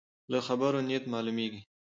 له خبرو نیت معلومېږي.